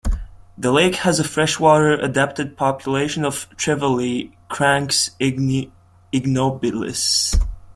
The lake has a freshwater-adapted population of trevally, "Caranx ignobilis".